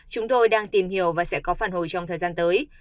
chúng tôi đang tìm hiểu và sẽ có phản hồi trong thời gian tới